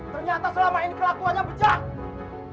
ternyata selama ini kelakuannya pecah